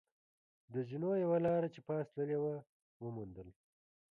د زینو یوه لار چې پاس تللې وه، و موندل.